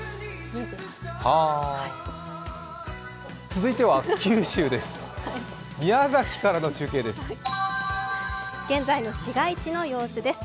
続いては九州です、宮崎からの中継です。